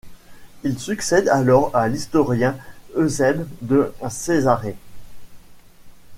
Il succède alors à l’historien Eusèbe de Césarée.